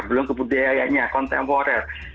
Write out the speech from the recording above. belum kebudayaannya kontemporer